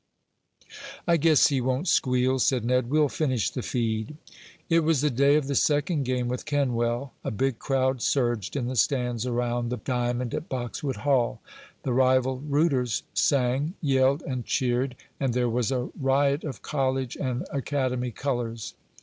"I guess he won't squeal," said Ned. "We'll finish the feed." It was the day of the second game with Kenwell. A big crowd surged in the stands around the diamond at Boxwood Hall. The rival rooters sang, yelled and cheered, and there was a riot of college and academy colors.